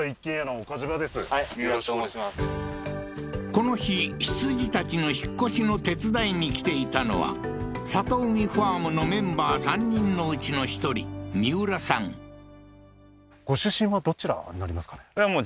この日羊たちの引っ越しの手伝いに来ていたのはさとうみファームのメンバー３人のうちの１人どちらになりますかね？